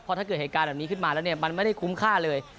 ถ้าเกิดเหตุการณ์แบบนี้ขึ้นมาแล้วเนี่ยมันไม่ได้คุ้มค่าเลย